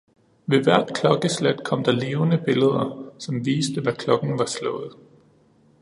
Ved hvert klokkeslæt kom der levende billeder, som viste hvad klokken var slået